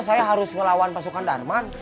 saya harus ngelawan pasukan darman